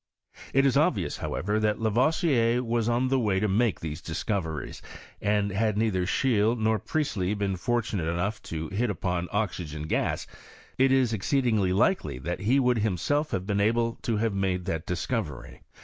It is obvious, however, that Lavoisier was on the way to make these discoveries, and had neither Scheele nor Priestley been fortunate enough to hit upon oxygen gas, it is exceedingly likely that be would himself have been able to have made that dis covery.